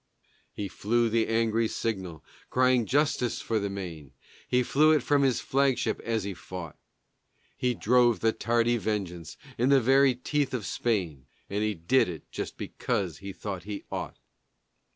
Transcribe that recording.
He flew the angry signal crying justice for the Maine, He flew it from his flagship as he fought. He drove the tardy vengeance in the very teeth of Spain, And he did it just because he thought he ought.